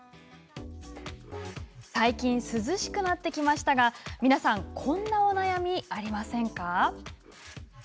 最近寒くなってきましたが、皆さんこんなお悩みありませんか？